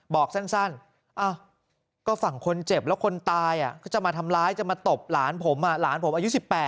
บอกสั้นก็ฝั่งคนเจ็บแล้วคนตายก็จะมาทำร้ายจะมาตบหลานผมหลานผมอายุ๑๘